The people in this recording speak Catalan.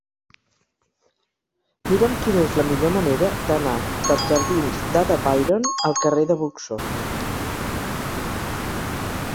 Mira'm quina és la millor manera d'anar dels jardins d'Ada Byron al carrer de Buxó.